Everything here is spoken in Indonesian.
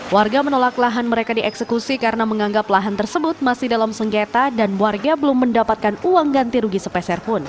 warga menolak lahan mereka dieksekusi karena menganggap lahan tersebut masih dalam sengketa dan warga belum mendapatkan uang ganti rugi sepeser pun